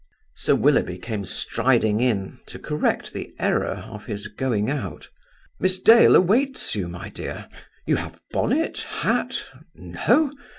Sir Willoughby came striding in, to correct the error of his going out. "Miss Dale awaits you, my dear. You have bonnet, hat? No?